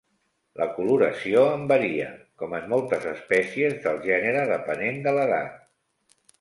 La coloració en varia, com en moltes espècies del gènere, depenent de l'edat.